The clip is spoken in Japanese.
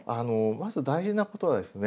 まず大事なことはですね